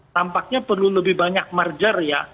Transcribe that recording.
tampaknya perlu lebih banyak merger ya